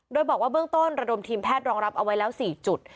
โดยบอกว่าเบื้องต้นระดมทีมแพทย์รองรับเอาไว้แล้ว๔จุด